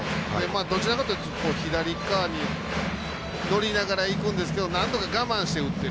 どちらかというと左側に乗りながらいくんですけどなんとか我慢して打ってる。